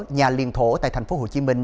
nhà liên thổ tại thành phố hồ chí minh